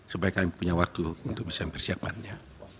supaya kami punya waktu untuk bersiap bersiapannya